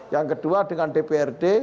yang kedua dengan dprd